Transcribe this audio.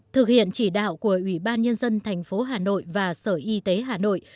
thực hiện chỉ đạo của ủy ban nhân dân tp hà nội và sở y tế hà nội